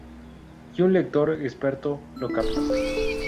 Y un lector experto lo capta.